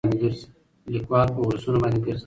ليکوال په ولسونو باندې ګرځي